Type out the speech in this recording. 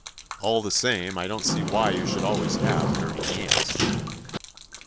"All the same, I don't see why you should always have dirty nails."